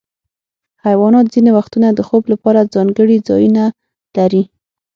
حیوانات ځینې وختونه د خوب لپاره ځانګړي ځایونه لري.